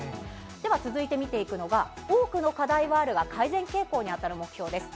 では、続いて見ていくのが、多くの課題はあるが改善傾向に当たる目標です。